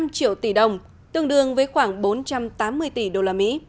một mươi năm triệu tỷ đồng tương đương với khoảng bốn trăm tám mươi tỷ đô la mỹ